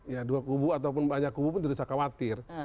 ya dua kubu ataupun banyak kubu pun tidak usah khawatir